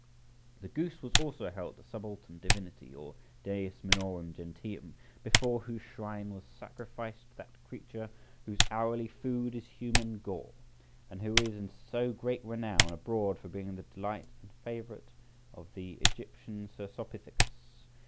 The goose was also held a subaltern divinity or Deus minorum gentium, before whose shrine was sacrificed that creature whose hourly food is human gore, and who is in so great renown abroad for being the delight and favourite of the Egyptian Cercopithecus {72b}.